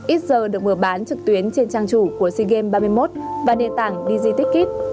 ít giờ được mở bán trực tuyến trên trang chủ của sea games ba mươi một và nền tảng digitick kit